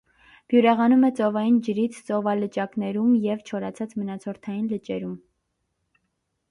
Բյուրեղանում է ծովային ջրից՝ ծովալճակներում և չորացած մնացորդային լճերում։